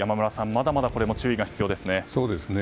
まだまだ注意が必要ですね。